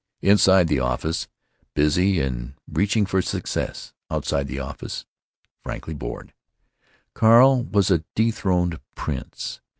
Inside the office—busy and reaching for success. Outside the office—frankly bored. Carl was a dethroned prince.